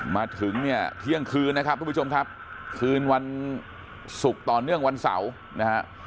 มาถึงเนี่ยเที่ยงคืนนะครับทุกผู้ชมครับคืนวันศุกร์ต่อเนื่องวันเสาร์นะฮะ